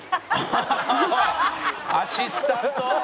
アシスタント！